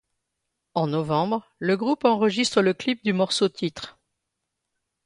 En novembre, le groupe enregistre le clip du morceau-titre.